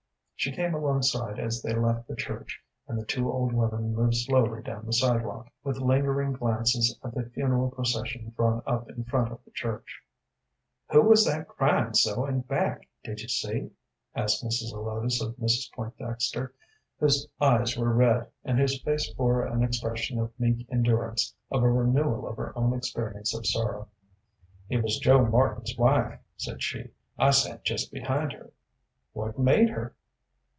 She came alongside as they left the church, and the two old women moved slowly down the sidewalk, with lingering glances at the funeral procession drawn up in front of the church. "Who was that cryin' so in back; did you see?" asked Mrs. Zelotes of Mrs. Pointdexter, whose eyes were red, and whose face bore an expression of meek endurance of a renewal of her own experience of sorrow. "It was Joe Martin's wife," said she. "I sat just behind her." "What made her?"